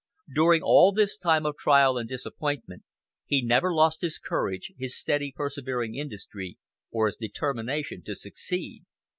During all this time of trial and disappointment he never lost his courage, his steady, persevering industry, or his determination to succeed.